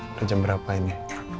udah jam berapa ini